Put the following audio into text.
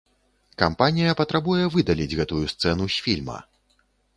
Кампанія патрабуе выдаліць гэтую сцэну з фільма.